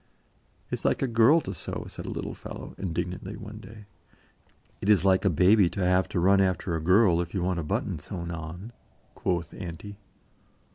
"It's like a girl to sew," said a little fellow, indignantly, one day. "It is like a baby to have to run after a girl if you want a button sewn on," quoth Auntie.